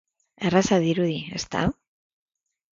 Erraza dirudi, ezta?